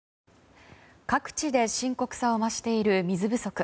各地で深刻さを増している水不足。